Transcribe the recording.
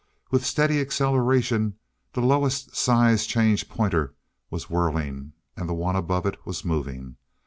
With steady acceleration, the lowest size change pointer was whirling, and the one above it was moving.